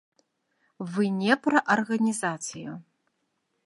Вы не пра арганізацыю.